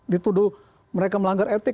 dituduh mereka melanggar etik